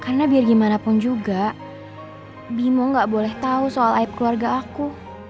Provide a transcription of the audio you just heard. karena biar gimana pun juga bimo gak boleh tau soal ayat keluarga aku